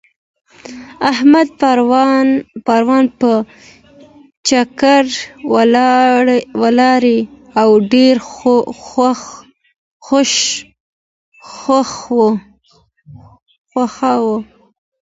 احمد پرون په چکر ولاړی او ډېر خوښ و.